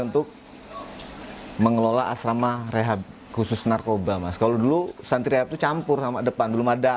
untuk mengelola asrama rehab khusus narkoba mas kalau dulu santri rehab itu campur sama depan belum ada